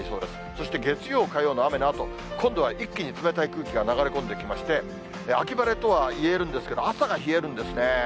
そして月曜、火曜の雨のあと、今度は一気に冷たい空気が流れ込んできまして、秋晴れとはいえるんですけれども、朝が冷えるんですね。